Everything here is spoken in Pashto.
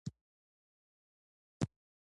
د خرقې د پېرودلو عقل خام دی